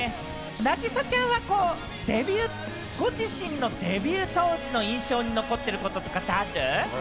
凪咲ちゃんは、ご自身のデビュー当時の印象で残っていることはある？